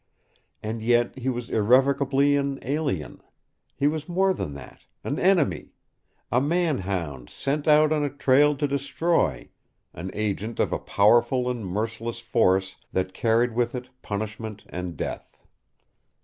And yet he was irrevocably an alien. He was more than that an enemy, a man hound sent out on a trail to destroy, an agent of a powerful and merciless force that carried with it punishment and death.